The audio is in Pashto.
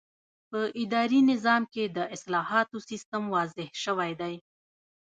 په اداري نظام کې د اصلاحاتو سیسټم واضح شوی دی.